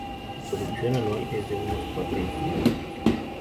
Su producción anual es de unos cuatro instrumentos.